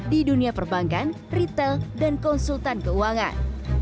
di dunia perbankan retail dan konsultan keuangan